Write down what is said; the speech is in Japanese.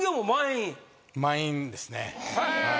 満員ですね。